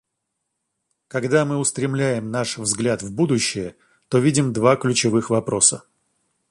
Когда мы устремляем наш взгляд в будущее, то видим два ключевых вопроса.